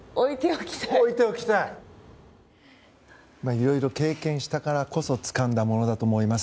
いろいろ経験したからこそつかんだものだと思います。